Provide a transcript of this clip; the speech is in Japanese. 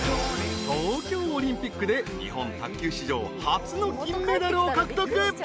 ［東京オリンピックで日本卓球史上初の金メダルを獲得］